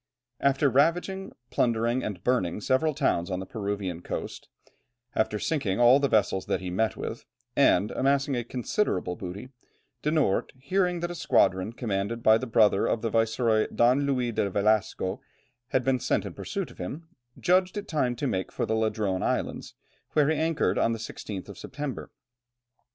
After ravaging, plundering, and burning several towns on the Peruvian coast, after sinking all the vessels that he met with, and amassing a considerable booty, De Noort, hearing that a squadron commanded by the brother of the viceroy, Don Luis de Velasco, had been sent in pursuit of him, judged it time to make for the Ladrone Islands, where he anchored on the 16th of September.